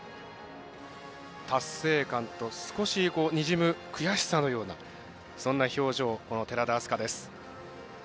達成感と少しにじむ悔しさのような、そんな表情寺田明日香です。